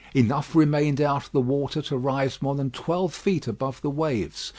Enough remained out of the water to rise more than twelve feet above the waves.